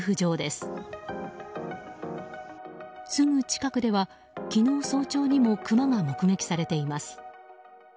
すぐ近くでは昨日早朝にもクマが目撃されています。